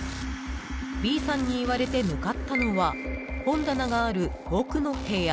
Ｂさんに言われて向かったのは本棚がある奥の部屋。